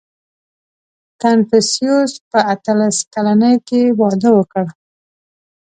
• کنفوسیوس په اتلس کلنۍ کې واده وکړ.